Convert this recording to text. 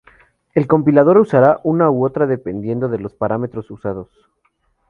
El compilador usará una u otra dependiendo de los parámetros usados.